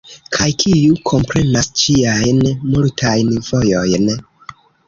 Kaj kiu komprenas ĝiajn multajn vojojn?